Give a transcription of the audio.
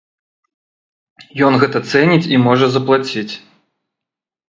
Ён гэта цэніць і можа заплаціць.